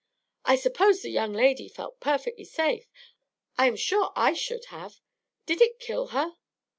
I suppose the young lady felt perfectly safe. I am sure I should have. Did it kill her?"